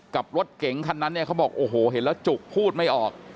กับรถเก๋งคันนั้นเนี่ยเขาบอกโอ้โหเห็นแล้วจุกพูดไม่ออก